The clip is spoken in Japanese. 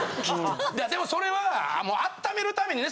でもそれはもうあっためるためにね